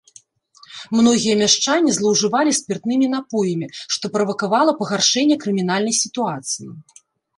Многія мяшчане злоўжывалі спіртнымі напоямі, што правакавала пагаршэнне крымінальнай сітуацыі.